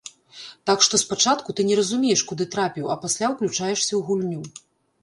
Так што спачатку ты не разумееш, куды трапіў, а пасля ўключаешся ў гульню.